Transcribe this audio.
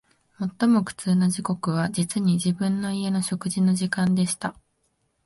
最も苦痛な時刻は、実に、自分の家の食事の時間でした